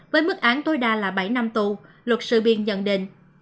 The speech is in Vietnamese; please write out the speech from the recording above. với mức án tối đa là bảy năm tù luật sư biên nhận định